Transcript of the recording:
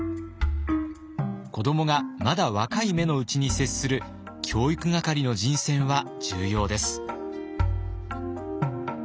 子どもがまだ若い芽のうちに接する教育係の人選は重要です。